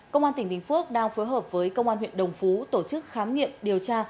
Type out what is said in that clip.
công an tỉnh bình phước đang phối hợp với công an huyện đồng phú tổ chức khám nghiệm điều tra